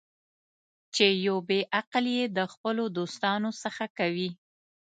چې یو بې عقل یې د خپلو دوستانو څخه کوي.